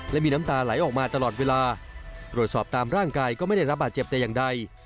และมีน้ำตาไหลออกมาตลอดเวลารวดสอบตามร่างกายก็ไม่ได้รับบาดเจ็บแต่อย่างใด